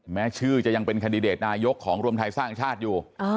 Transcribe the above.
แม้ชื่อจะยังเป็นคันดิเดตนายกของรวมไทยสร้างชาติอยู่